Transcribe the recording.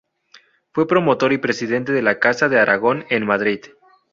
Fue promotor y presidente de la Casa de Aragón en Madrid.